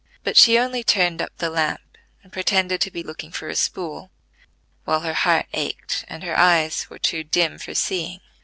But she only turned up the lamp and pretended to be looking for a spool, while her heart ached and her eyes were too dim for seeing.